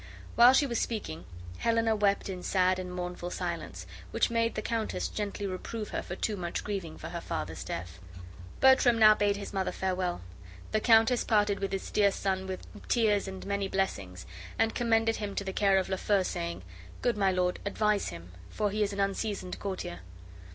While she was speaking, Helena wept in sad and mournful silence, which made the countess gently reprove her for too much grieving for her father's death. Bertram now bade his mother farewell. The countess parted with this dear son with tears and many blessings, and commended him to the care of Lafeu, saying: "Good my lord, advise him, for he is an unseasoned courtier."